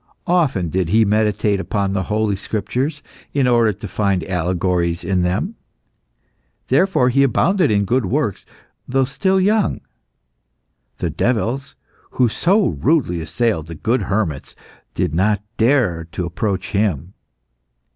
Often did he meditate upon the Holy Scriptures in order to find allegories in them. Therefore he abounded in good works, though still young. The devils, who so rudely assailed the good hermits, did not dare to approach him.